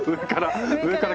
上から。